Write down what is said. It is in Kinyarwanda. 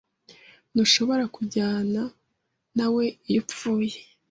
Ntushobora kujyana nawe iyo upfuye.